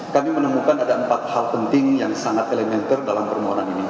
kami menemukan ada empat hal penting yang sangat elementer dalam permohonan ini